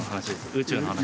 宇宙の話？